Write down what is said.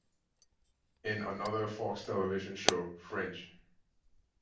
In another Fox television show "Fringe".